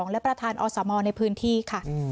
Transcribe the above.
และประธานอสมในพื้นที่ค่ะ